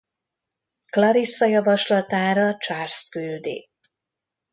Clarissa javaslatára Charlest küldi.